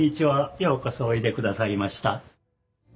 ようこそおいで下さいました。